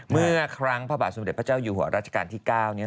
เมื่อครั้งพระบาทสมเด็จพระเจ้าอยู่หัวราชการที่๙เนี่ย